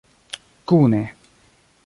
kune